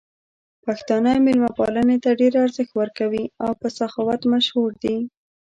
پښتانه مېلمه پالنې ته ډېر ارزښت ورکوي او په سخاوت مشهور دي.